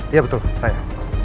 iya betul saya